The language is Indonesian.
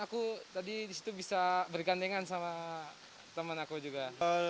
aku tadi disitu bisa bergandengan sama teman aku juga